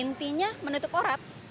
intinya menutup aurat